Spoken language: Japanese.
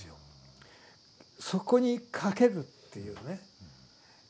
そこに賭けるっていうね。